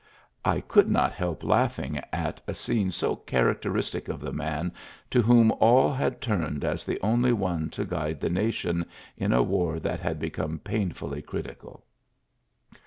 I could not help laughing at a scene so characteristic of the man to whom all had turned as the only one to guide the nation in a war that had become painfully critical."